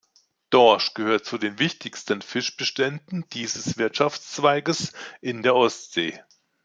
Dorsch gehört zu den wichtigsten Fischbeständen dieses Wirtschaftszweigs in der Ostsee.